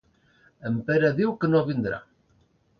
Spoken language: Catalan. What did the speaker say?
En Pere diu que no vindr